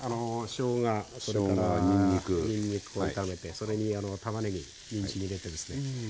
しょうがそれからにんにくを炒めてそれにたまねぎにんじん入れてですね